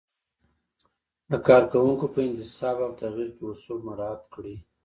د کارکوونکو په انتصاب او تغیر کې اصول مراعت کړئ.